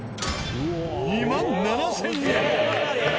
２万７０００円。